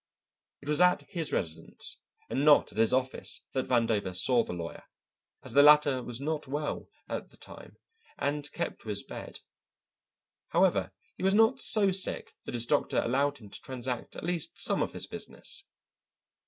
It was at his residence and not at his office that Vandover saw the lawyer, as the latter was not well at the time and kept to his bed. However, he was not so sick but that his doctor allowed him to transact at least some of his business.